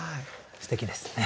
すてきですね。